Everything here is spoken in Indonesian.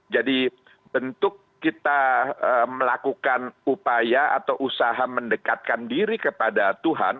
jadi untuk kita melakukan upaya atau usaha mendekatkan diri kepada tuhan